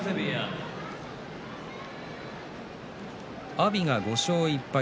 阿炎が５勝１敗。